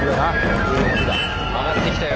上がってきたよ